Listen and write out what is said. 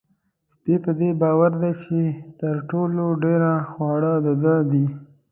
سپی په دې باور دی چې تر ټولو ډېر خواړه د ده دي.